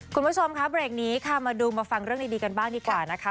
คุณผู้ชมครับเบรกนี้ค่ะมาดูมาฟังเรื่องดีกันบ้างดีกว่านะคะ